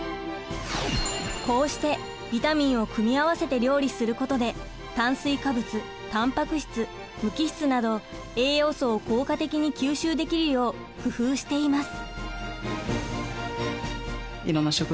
こうしてビタミンを組み合わせて料理することで炭水化物たんぱく質無機質など栄養素を効果的に吸収できるよう工夫しています。